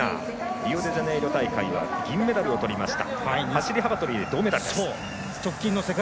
リオデジャネイロ大会は銀メダルをとりました。